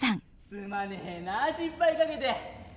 すまねえな心配かけて。